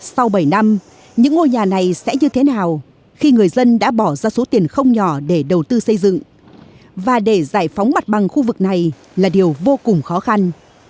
sau bảy năm những ngôi nhà này sẽ như thế nào khi người dân đã bỏ ra số tiền không nhỏ để đầu tư xây dựng và để giải phóng mặt bằng khu vực này là điều vô cùng khó khăn